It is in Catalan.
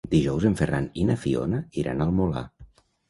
Dijous en Ferran i na Fiona iran al Molar.